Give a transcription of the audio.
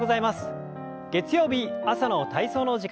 月曜日朝の体操の時間です。